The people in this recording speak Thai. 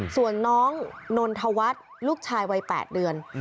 ส่วนน้องนนทวัฒน์ลูกชายวัย๘เดือน